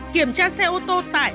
kiểm tra xe ô tô tải